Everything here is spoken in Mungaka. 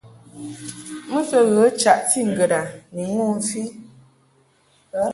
Mɨ to ghə chaʼti ŋgəd a ni ŋu mfi.